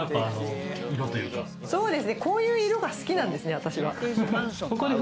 こういう色が好きなんですね、私は。